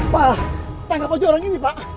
wah tangkap aja orang ini pak